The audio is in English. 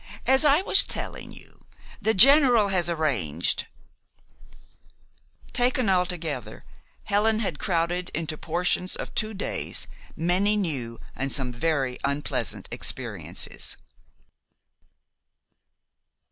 As I was telling you, the General has arranged " Taken altogether, Helen had crowded into portions of two days many new and some very unpleasant experiences.